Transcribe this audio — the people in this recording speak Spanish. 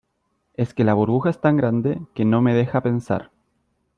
es que la burbuja es tan grande , que no me deja pensar .